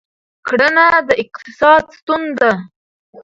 کرنه د اقتصاد ستون ده.